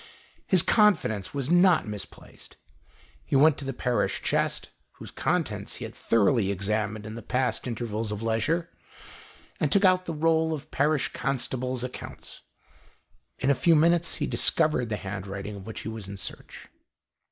His confidence was not misplaced. He went to the parish chest, whose contents he had thoroughly examined in past intervals of leisure, and took out the roll of parish constable's accounts. In a few minutes he discovered the handwriting of which he was in search.